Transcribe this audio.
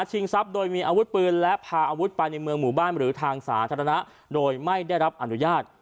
ทรัพย์โดยมีอาวุธปืนและพาอาวุธไปในเมืองหมู่บ้านหรือทางสาธารณะโดยไม่ได้รับอนุญาต